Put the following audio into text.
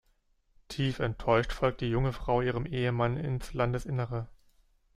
Tief enttäuscht folgt die junge Frau ihrem Ehemann ins Landesinnere.